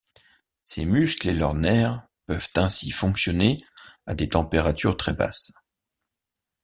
Ces muscles, et leurs nerfs peuvent ainsi fonctionner à des températures très basses.